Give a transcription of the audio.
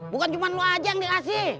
bukan cuma lo aja yang dikasih